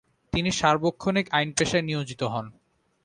তিনি সার্বক্ষণিক আইন পেশায় নিয়োজিত হন।